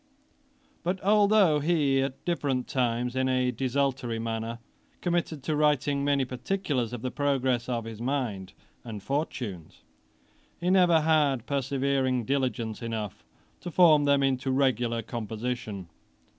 But although he at different times, in a desultory manner, committed to writing many particulars of the progress of his mind and fortunes, he never had persevering diligence enough to form them into a regular composition.